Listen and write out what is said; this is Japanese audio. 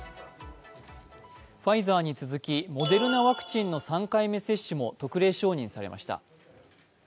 ファイザーに続き、モデルナワクチンの３回目接種も特例承認されました。